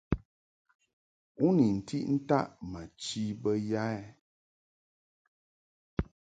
U ni ntiʼ ntaʼ ma chi bə ya ?